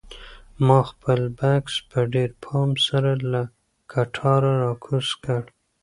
ما خپل بکس په ډېر پام سره له کټاره راکوز کړ.